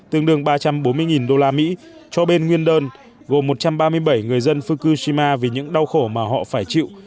tương đương ba trăm bốn mươi usd cho bên nguyên đơn gồm một trăm ba mươi bảy người dân fukushima vì những đau khổ mà họ phải chịu